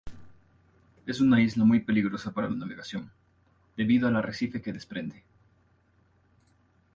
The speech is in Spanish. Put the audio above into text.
Es una isla muy peligrosa para la navegación, debido al arrecife que desprende.